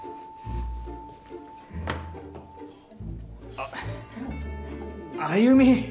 あっ歩美